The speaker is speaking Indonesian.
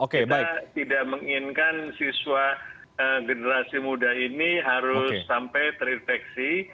kita tidak menginginkan siswa generasi muda ini harus sampai terinfeksi